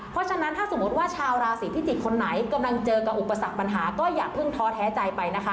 เพราะฉะนั้นถ้าสมมติว่าชาวราศีพิจิกษ์คนไหนกำลังเจอกับอุปสรรคปัญหาก็อย่าเพิ่งท้อแท้ใจไปนะคะ